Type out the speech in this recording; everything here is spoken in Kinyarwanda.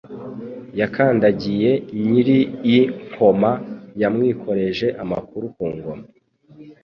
Yakandagiye Nyir-i-Nkoma yamwikorereje Amukura ku ngoma.